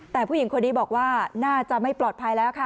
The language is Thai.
แต่ผู้หญิงคนนี้บอกว่าน่าจะไม่ปลอดภัยแล้วค่ะ